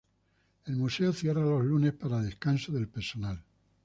El museo, cierra los lunes, para descanso del personal.